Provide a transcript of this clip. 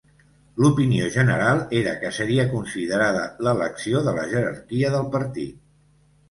L'opinió general era que seria considerada l'elecció de la jerarquia del partit.